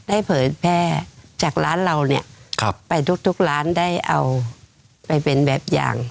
เผยแพร่จากร้านเราเนี่ยไปทุกร้านได้เอาไปเป็นแบบอย่าง